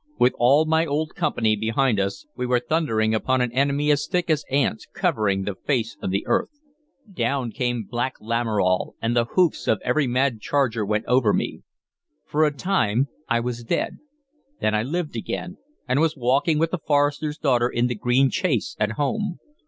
With all my old company behind us, we were thundering upon an enemy as thick as ants, covering the face of the earth. Down came Black Lamoral, and the hoofs of every mad charger went over me. For a time I was dead; then I lived again, and was walking with the forester's daughter in the green chase at home.